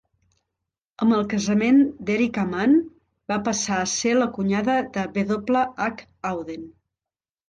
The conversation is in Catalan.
Amb el casament d'Erika Mann, va passar a ser la cunyada de W.H. Auden.